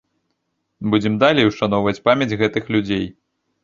Будзем далей ушаноўваць памяць гэтых людзей.